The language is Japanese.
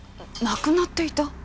亡くなっていた？